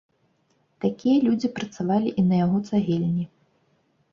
Такія людзі працавалі і на яго цагельні.